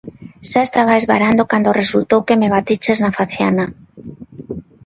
Xa estaba esvarando cando resultou que me batiches na faciana.